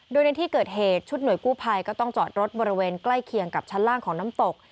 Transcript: โดยในที่เกิดเหตุชุดหน่วยกู้ภัยก็ต้องจอดรถบริเวณใกล้เคียงกับชั้นล่างของน้ำตก